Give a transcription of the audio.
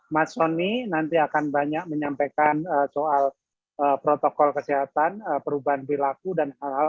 masoni nanti akan banyak menyampaikan soal protokol kesehatan perubahan berlaku dan hal hal